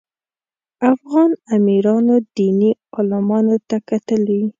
افغان امیرانو دیني عالمانو ته کتلي.